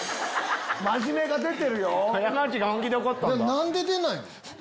何で出ないの？